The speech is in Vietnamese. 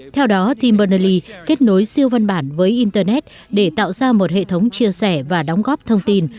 theo đó tim bernally kết nối siêu văn bản với internet để tạo ra một hệ thống chia sẻ và đóng góp thông tin